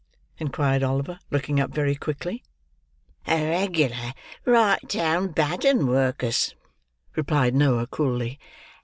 inquired Oliver, looking up very quickly. "A regular right down bad 'un, Work'us," replied Noah, coolly.